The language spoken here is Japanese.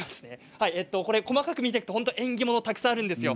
細かく見ていくと縁起物がたくさんあります。